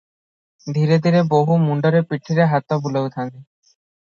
ଧୀରେ ଧୀରେ ବୋହୂ ମୁଣ୍ଡରେ ପିଠିରେ ହାତ ବୁଲାଉଥାନ୍ତି ।